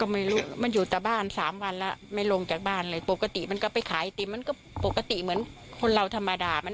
ไม่อยากบอกไม่อยากเห็นหน้าด้วย